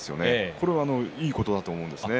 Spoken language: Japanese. これはいいことだと思うんですね。